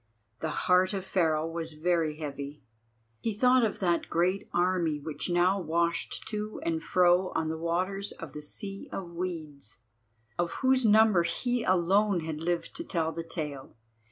The heart of Pharaoh was very heavy. He thought of that great army which now washed to and fro on the waters of the Sea of Weeds, of whose number he alone had lived to tell the tale.